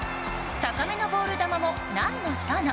高めのボール球もなんのその！